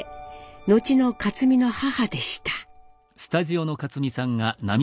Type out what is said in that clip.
後の克実の母でした。